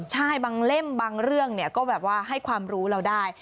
ใช่บางเล่มบางเรื่องก็แบบว่าให้ความรู้เราได้